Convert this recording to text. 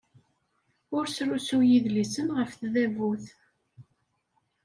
Ur srusuy idlisen ɣef tdabut.